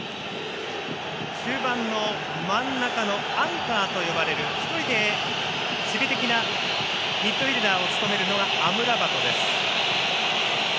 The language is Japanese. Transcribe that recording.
アンカーと呼ばれる１人で守備的なミッドフィールダーを務めるのはアムラバトです。